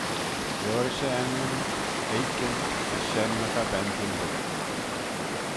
Liorish e enmyn, oikyn as shen ny ta bentyn huggey.